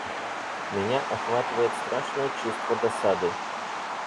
Меня охватывает страшное чувство досады.